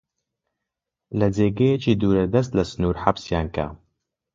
لە جێگەیەکی دووردەست، لە سنوور حەبسیان کە!